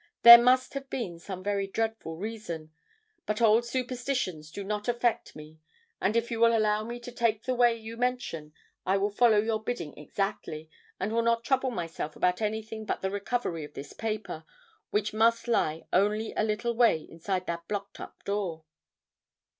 There must have been some very dreadful reason. But old superstitions do not affect me, and if you will allow me to take the way you mention, I will follow your bidding exactly, and will not trouble myself about anything but the recovery of this paper, which must lie only a little way inside that blocked up door."